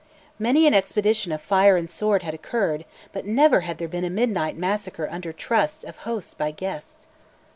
Many an expedition of "fire and sword" had occurred, but never had there been a midnight massacre "under trust" of hosts by guests.